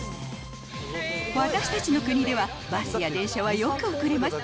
私たちの国では、バスや電車はよく遅れます。